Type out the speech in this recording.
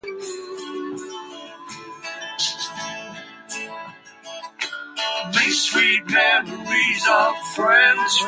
The five pitches of the Javanese version are roughly equally spaced within the octave.